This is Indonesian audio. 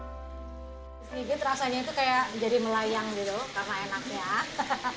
sini sini rasanya itu kayak jadi melayang gitu karena enaknya